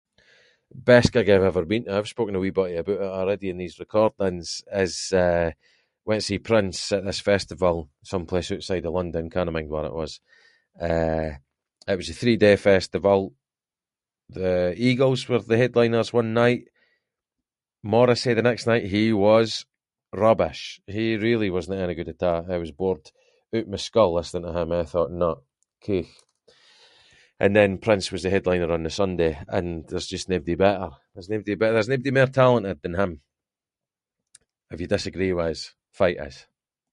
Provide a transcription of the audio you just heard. Best gig I’ve ever been to, I’ve spoken a wee bittie aboot it already in these recordings is, eh, went to see Prince at this festival, some place ootside of London, cannae mind where it was, eh, it was a three day festival, the Eagles were the headliners one night, Morrissey the next night, he was rubbish, he really wasnae any good at a’, I was bored oot my skull listening to him, I thought no, keech, and then Prince was the headliner on the Sunday and there’s just naebody better. There’s naebody better- there’s naebody mair talented than him. If you disagree with us, fight us.